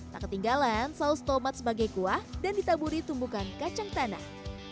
tak ketinggalan saus tomat sebagai kuah dan ditaburi tumbukan kacang tanah